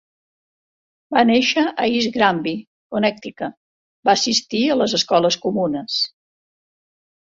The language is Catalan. Va néixer a East Granby, Connecticut, va assistir a les escoles comunes.